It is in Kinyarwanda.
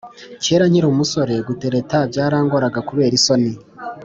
Kera nkiri umusore gutereta byarangoranga kubera isoni